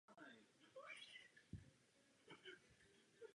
Mezitím Líza v pokoji natáčí svou reakci na první díl dívčí verze pořadu.